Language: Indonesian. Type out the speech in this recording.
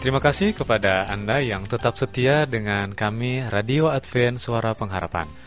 terima kasih kepada anda yang tetap setia dengan kami radio advent suara pengharapan